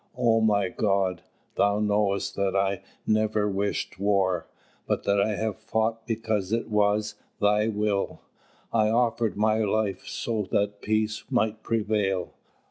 O my God, Thou knowest that I never wished war, but that I have fought because it was Thy will; I offered my life so that peace might prevail.